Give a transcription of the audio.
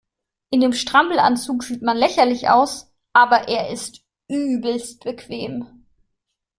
In dem Strampelanzug sieht man lächerlich aus, aber er ist übelst bequem.